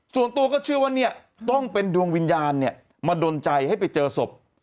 ส่วนตัวก็เชื่อว่าเนี่ยต้องเป็นดวงวิญญาณมาดนใจให้ไปเจอศพ